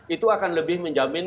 itu akan lebih menjamin